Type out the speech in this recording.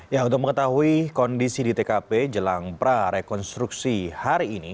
ya untuk mengetahui kondisi di tkp jelang prarekonstruksi hari ini